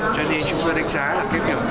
cho nên chúng tôi đánh giá là cái kiểu